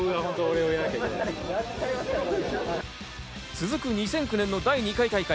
続く２００９年の第２回大会。